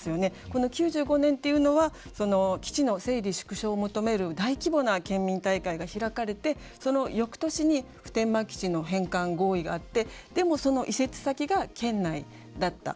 この９５年というのは基地の整理縮小を求める大規模な県民大会が開かれてその翌年に普天間基地の返還合意があってでもその移設先が県内だった。